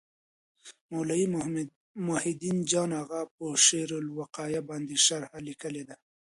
مولوي محي الدین جان اغا په شرح الوقایه باندي شرحه لیکلي ده.